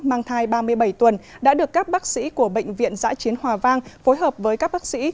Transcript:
mang thai ba mươi bảy tuần đã được các bác sĩ của bệnh viện giã chiến hòa vang phối hợp với các bác sĩ